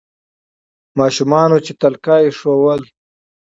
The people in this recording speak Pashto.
ماشومانو چي تلکه ایښودله